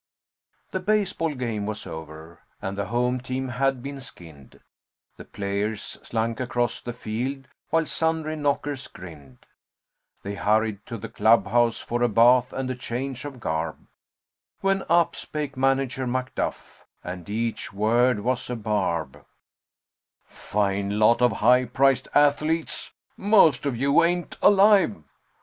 The baseball game was over and the home team had been skinned, The players slunk across the field while sundry knockers grinned; They hurried to the clubhouse for a bath and change of garb, When up spake Manager McDuff, and each word was a barb: "Fine lot of high priced athletes! Most of you ain't alive!